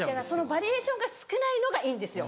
バリエーションが少ないのがいいんですよ。